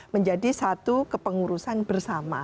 menjadi satu kepengurusan bersama